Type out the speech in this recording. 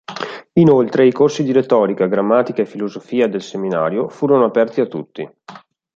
Inoltre i corsi di retorica, grammatica e filosofia del seminario furono aperti a tutti.